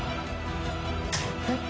「えっ！？